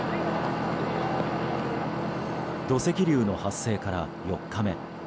土石流の発生から４日目。